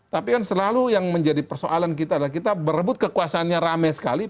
tapi kan selalu yang menjadi persoalan kita adalah kita berebut kekuasaannya rame sekali